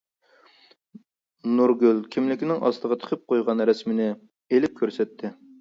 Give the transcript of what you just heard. نۇرگۈل كىملىكىنىڭ ئاستىغا تىقىپ قويغان رەسىمنى ئېلىپ كۆرسەتتى.